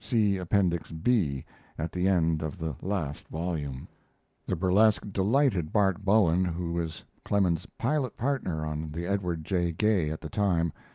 [See Appendix B, at the end of the last volume.] The burlesque delighted Bart Bowen, who was Clemens's pilot partner on the Edward J. Gay at the time.